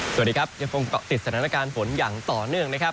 สวัสดีครับยังคงเกาะติดสถานการณ์ฝนอย่างต่อเนื่องนะครับ